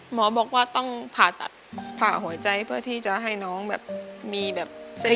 หมอบอกว่าต้องผ่าตัดผ่าหัวใจเพื่อที่จะให้น้องแบบมีแบบเส้น